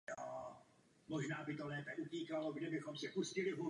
Vidím zde řadu přátel malých a středních podniků.